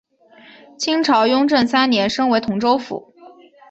清朝雍正三年升为同州府。